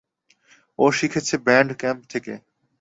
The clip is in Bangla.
ও শিখেছে ব্যান্ড ক্যাম্প থেকে।